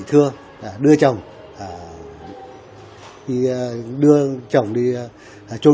thưa mang về nhà mai tán